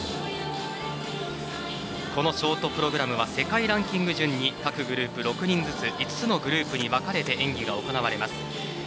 このショートプログラムは世界ランキング順に各グループ６人ずつ５つのグループに分かれて演技が行われます。